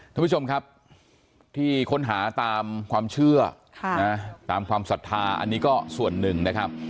ท่านผู้ชมครับที่ค้นหาตามความเชื่อตามความศรัทธาอันนี้ก็ส่วนหนึ่งนะครับ